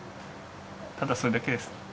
ただそれだけです。